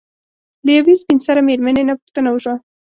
له يوې سپين سري مېرمنې نه پوښتنه وشوه